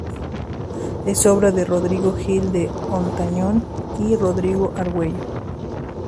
Es obra de Rodrigo Gil de Hontañón y de Rodrigo Argüello.